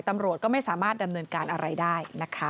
ตำรวจก็ไม่สามารถดำเนินการอะไรได้นะคะ